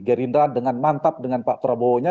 gerindra dengan mantap dengan pak prabowo nya